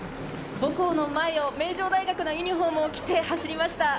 母校の前を名城大学のユニホームを着て走りました。